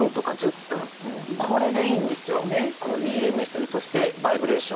このＥＭＳそしてバイブレーション。